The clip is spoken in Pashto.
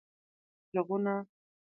ږغونه